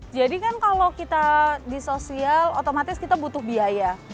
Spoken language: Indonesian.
jadi kan kalau kita di sosial otomatis kita butuh biaya